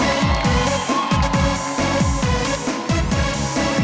เสียบรรยาภาพ